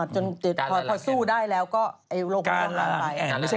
จนพอสู้ได้แล้วก็โลกกำลังลงไป